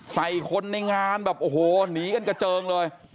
ใส่คนในงานแบบโอ้โหหนีกันกระเจิงเลย